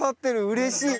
うれしい。